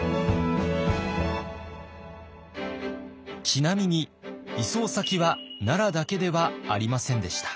ちなみに移送先は奈良だけではありませんでした。